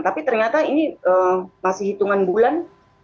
tapi ternyata ini masih hitungan bulan